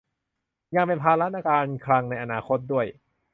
ยังเป็นภาระการคลังในอนาคตด้วย